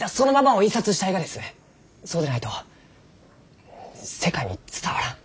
そうでないと世界に伝わらん。